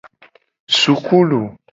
Sukulu.